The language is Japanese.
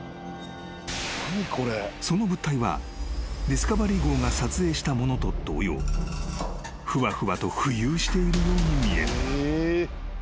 ［その物体はディスカバリー号が撮影したものと同様ふわふわと浮遊しているように見える］